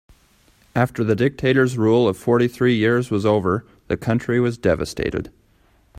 After the dictator's rule of fourty three years was over, the country was devastated.